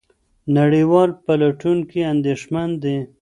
نړیوال پلټونکي اندېښمن دي.